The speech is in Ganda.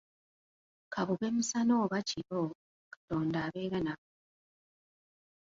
Kabube misana oba kiro, Katonda abeera naffe.